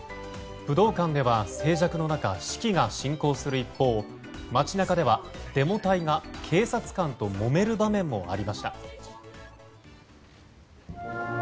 武道館では静寂の中式が進行する一方街中ではデモ隊が警察官ともめる場面もありました。